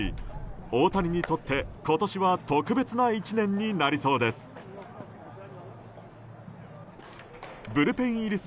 大谷にとって今年は特別な１年になりそうです。